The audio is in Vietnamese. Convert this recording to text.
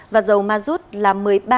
và dầu ma rút là